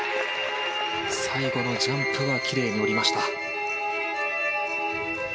最後のジャンプはきれいに降りました。